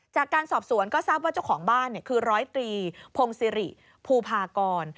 จากการสอบสวนก็ทราบว่าเจ้าของบ้านคือร้อยตรีพงศิริภูพากร